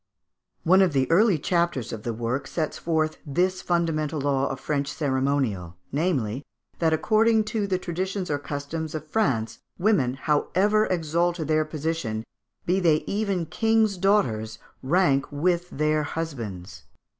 One of the early chapters of the work sets forth this fundamental law of French ceremonial, namely, that, "according to the traditions or customs of France, women, however exalted their position, be they even king's daughters, rank with their husbands."